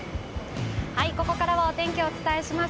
ここからはお天気をお伝えします。